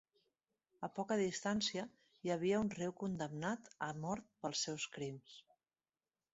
A poca distància hi havia un reu condemnat a mort pels seus crims.